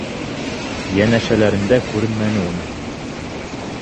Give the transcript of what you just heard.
Йәнәшәләрендә күренмәне уныһы.